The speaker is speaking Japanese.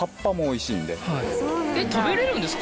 食べれるんですか？